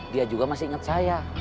dia juga masih ingat saya